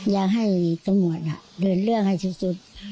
อยากให้ตำรวจเลือกเรื่องให้ที่สุด